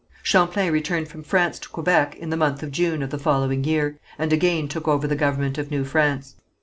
Champlain returned from France to Quebec in the month of June of the following year, and again took over the government of New France.